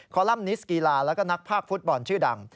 คอลัมนิสต์กีฬาและนักภาคฟุตบอลชื่อดัง